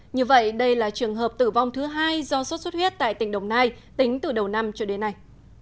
như vậy đây là trường hợp tử vong thứ hai do sốt xuất huyết tại tỉnh đồng nai tính từ đầu năm cho đến nay